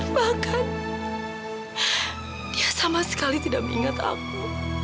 bahkan dia sama sekali tidak mengingat aku